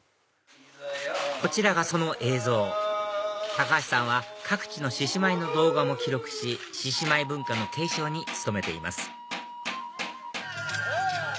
こちらがその映像橋さんは各地の獅子舞の動画も記録し獅子舞文化の継承に努めています